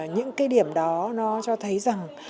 những cái điểm đó nó cho thấy rằng